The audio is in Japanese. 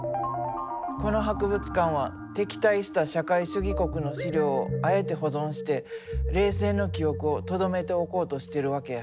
この博物館は敵対した社会主義国の資料をあえて保存して冷戦の記憶をとどめておこうとしてるわけや。